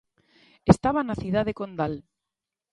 Estaba na cidade condal.